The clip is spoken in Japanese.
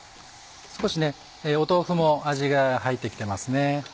少し豆腐も味が入って来てますね。